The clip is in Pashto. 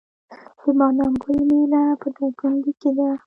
د بادام ګل میله په دایکنډي کې ده.